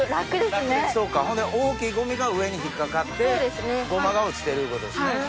ほんで大きいゴミが上に引っ掛かってごまが落ちてるいうことですね。